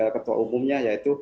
ketua umumnya yaitu